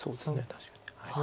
確かに。